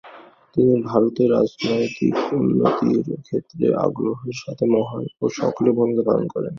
তিনি ভারতে রাজনৈতিক উন্নতির ক্ষেত্রে আগ্রহের সাথে মহান ও সক্রিয় ভূমিকা পালন করেন।